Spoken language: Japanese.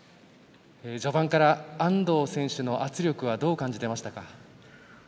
序盤から安藤選手の圧力はどう感じていましたか。